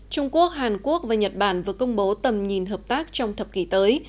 trung quốc hàn quốc và nhật bản vừa công bố tầm nhìn hợp tác trong thập kỷ tới